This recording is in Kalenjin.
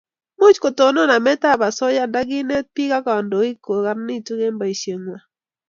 Much ketonon namet ab asoya ndakinet biik ak kandoik ko karanitu eng' boishe ngwai